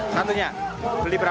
satunya beli berapa